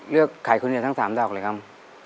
ไข่คนเดียวทั้ง๓ดอกเลยครับ